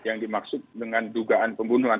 yang dimaksud dengan dugaan pembunuhan